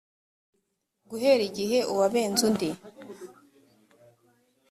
guhera igihe uwabenze undi